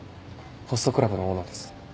ホストクラブのオーナーです。